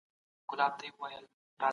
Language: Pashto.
خوب د ذهني توازن ساتي.